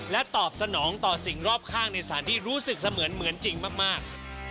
ตอบสนองต่อสิ่งรอบข้างในสารที่รู้สึกเสมือนเหมือนจริงมาก